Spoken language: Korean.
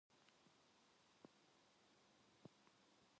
자는 듯이 엎디어 있던 옥점이는 벌컥 일어나며 이렇게 중얼거렸다.